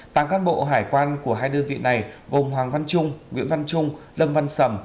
tám cán bộ hải quan của hai đơn vị này gồm hoàng văn trung nguyễn văn trung lâm văn sầm